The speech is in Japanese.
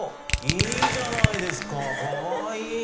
いいじゃないですかかわいい！